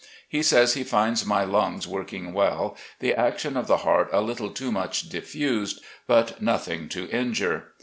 He says he finds my lungs wor^g well, the action of the heart a little too much diffused, but nothing to injure.